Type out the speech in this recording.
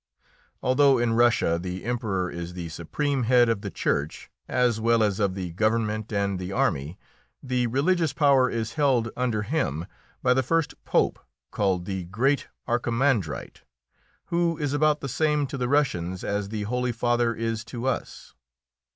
Although in Russia the Emperor is the supreme head of the church, as well as of the government and the army, the religious power is held, under him, by the first "pope," called "the great archimandrite," who is about the same to the Russians that the Holy Father is to us.